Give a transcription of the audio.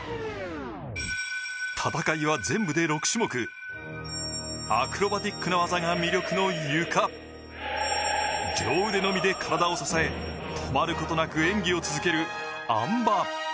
戦いは全部で６種目アクロバティックな技が魅力のゆか両腕のみを体を支え、止まることなく演技を続ける、あん馬。